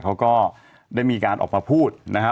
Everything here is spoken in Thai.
เขาก็ได้มีการออกมาพูดนะฮะ